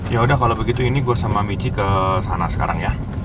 ya udah kalau begitu ini gue sama michi ke sana sekarang ya